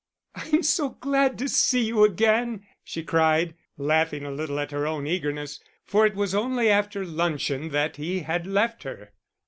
"I'm so glad to see you again," she cried, laughing a little at her own eagerness; for it was only after luncheon that he had left her.